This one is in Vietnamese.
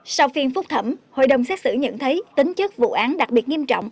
sau phiên phúc thẩm hội đồng xét xử nhận thấy tính chất vụ án đặc biệt nghiêm trọng